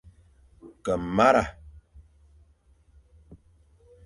Ke mara,